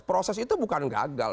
proses itu bukan gagal